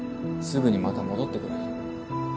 すぐにまた戻ってくる。